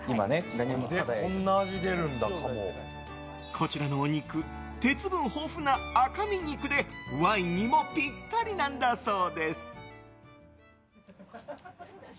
こちらのお肉鉄分豊富な赤身肉でワインにもぴったりなんだそう。